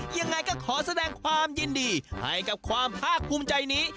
ยังไงก็ขอแสดงความยินดีให้กับความภาคภูมิใจนี้